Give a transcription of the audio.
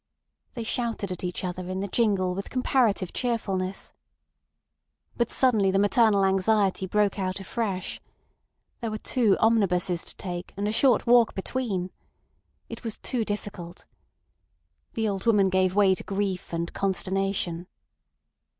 They shouted at each other in the jingle with comparative cheerfulness. But suddenly the maternal anxiety broke out afresh. There were two omnibuses to take, and a short walk between. It was too difficult! The old woman gave way to grief and consternation.